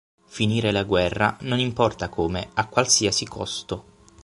Finire la guerra, non importa come, a qualsiasi costo".